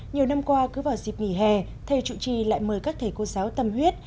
nhiều năm qua cứ vào dịp nghỉ hè thầy chủ trì lại mời các thầy cô giáo tâm huyết